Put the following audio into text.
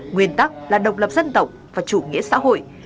nguyên tắc là độc lập dân tộc và chủ nghĩa xã hội